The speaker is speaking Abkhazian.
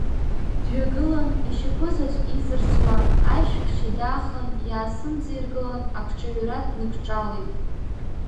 Дҩагылан, ишьапызаҵә иҵарсуа аишәахьча даахан иаасымҵаиргылан, акҿаҩра дныкҿалеит.